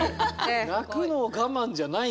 泣くのを我慢じゃないんだね。